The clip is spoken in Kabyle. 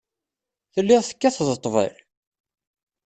Telliḍ tekkateḍ ṭṭbel?